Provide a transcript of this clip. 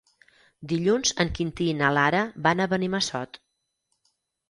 Dilluns en Quintí i na Lara van a Benimassot.